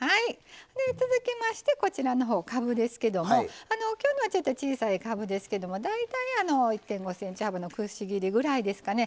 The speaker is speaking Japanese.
続きましてかぶですけども、今日はちょっと小さいかぶですけど大体１．５ｃｍぐらいのくし切りぐらいですかね。